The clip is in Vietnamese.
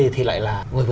thì lại là một mươi